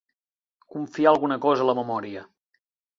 Confiar alguna cosa a la memòria.